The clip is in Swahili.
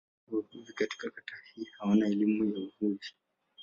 Wavuvi katika kata hii hawana elimu ya uvuvi.